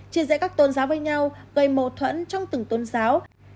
chia rẽ các tôn giáo với nhau gây mô thuẫn trong từng tôn giáo